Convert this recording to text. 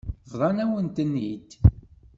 Bḍan-awen-ten-id.